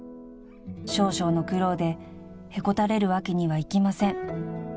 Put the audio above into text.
［少々の苦労でへこたれるわけにはいきません］